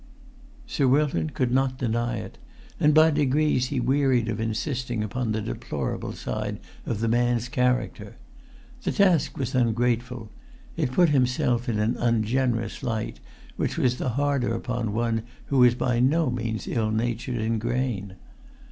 Sir Wilton could not deny it; and by degrees he wearied of insisting upon the deplorable side of the man's character. The task was ungrateful; it put[Pg 341] himself in an ungenerous light, which was the harder upon one who was by no means ill natured in grain.